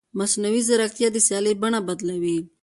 مصنوعي ځیرکتیا د سیالۍ بڼه بدلوي.